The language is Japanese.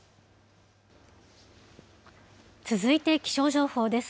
続いて、気象情報です。